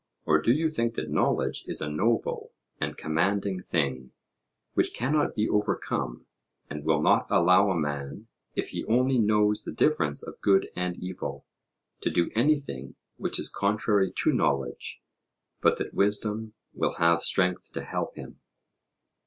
or do you think that knowledge is a noble and commanding thing, which cannot be overcome, and will not allow a man, if he only knows the difference of good and evil, to do anything which is contrary to knowledge, but that wisdom will have strength to help him?